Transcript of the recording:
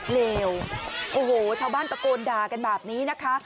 เลวโอ้โหชาวบ้านตะโกนด่ากันแบบนี้นะคะ